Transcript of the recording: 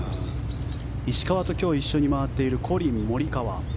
石川と今日一緒に回っているコリン・モリカワ。